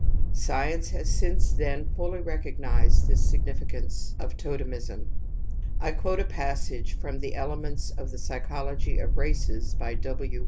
Science has since then fully recognized this significance of totemism. I quote a passage from the Elements of the Psychology of Races by W.